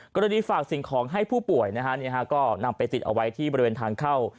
กรณีฝากสิ่งของให้ผู้ป่วยนะฮะก็นำไปติดเอาไว้ที่บริเวณทางเข้า